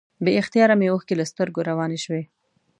بې اختیاره مې اوښکې له سترګو روانې شوې.